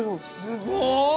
すごっ！